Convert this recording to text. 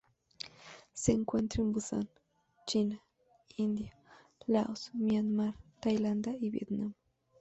Se encuentra en Bhután, China, India, Laos, Myanmar, Tailandia y Vietnam.